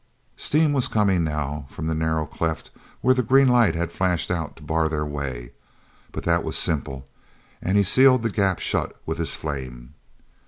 Steam was coming now from the narrow cleft where the green light had flashed out to bar their way. But that was simple, and he sealed the gap shut with his flame.